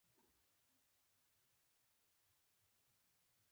زه د کتاب لوستلو سره لیواله یم.